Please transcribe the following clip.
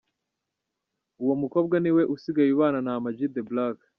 Uwo mukobwa niwe usigaye abana na Am G The Black.